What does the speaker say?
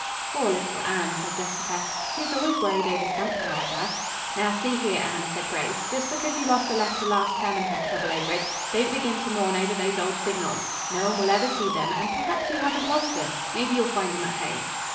"Poor little Anne," said Jessica, "she is always worried over something or other." "Now see here, Anne," said Grace, "just because you lost a letter last term and had trouble over it, don't begin to mourn over those old signals. No one will ever see them, and perhaps you haven't lost them. Maybe you'll find them at home."